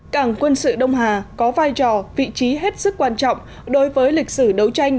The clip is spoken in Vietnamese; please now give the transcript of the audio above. cảng quân sự đông hà có vai trò vị trí hết sức quan trọng đối với lịch sử đấu tranh